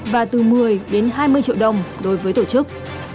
và từ một mươi đến hai mươi triệu đồng đối với tổ chức